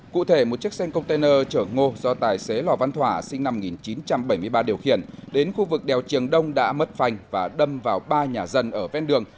cụ thể một chiếc xe container chở ngô do tài xế lò văn thỏa sinh năm một nghìn chín trăm bảy mươi ba điều khiển đến khu vực đèo triềng đông đã mất phanh và đâm vào ba nhà dân ở ven đường